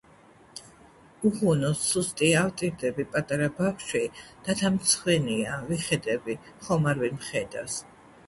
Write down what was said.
უღონო სუსტი ავტირდები პატარა ბავშვი და თან მრცხვენია ვიხედები ხომ არვინ მხედავს